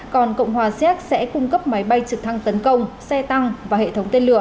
còn cộng hòa xéc sẽ cung cấp máy bay trực thăng tấn công xe tăng và hệ thống tên lửa